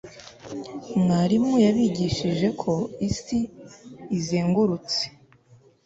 mwarimu yabigishije ko isi izengurutse